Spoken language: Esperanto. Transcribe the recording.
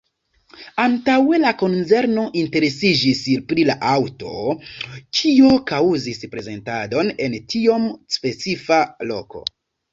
Antaŭe la konzerno interesiĝis pri la aŭto, kio kaŭzis prezentadon en tiom specifa loko.